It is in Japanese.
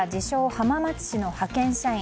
浜松市の派遣社員